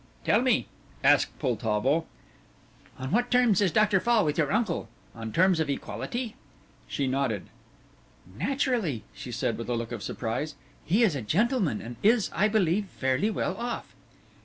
"Tell me," asked Poltavo, "on what terms is Dr. Fall with your uncle? On terms of equality?" She nodded. "Naturally," she said with a look of surprise, "he is a gentleman, and is, I believe, fairly well off."